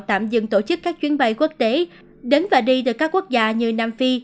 tạm dừng tổ chức các chuyến bay quốc tế đến và đi từ các quốc gia như nam phi